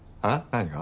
何が？